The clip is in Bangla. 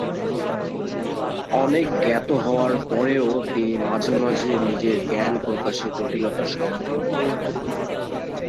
অনেক জ্ঞাত হওয়ার পরেও তিনি মাঝে মাঝে নিজের জ্ঞান প্রকাশে জটিলতার সম্মুখীন হতেন।